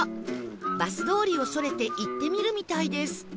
バス通りをそれて行ってみるみたいです